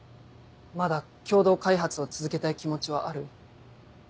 まだ共同開発を続けたい気持ちはある？